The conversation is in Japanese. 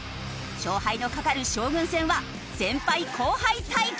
勝敗のかかる将軍戦は先輩後輩対決！